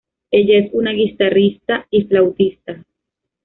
Ella es una guitarrista y flautista.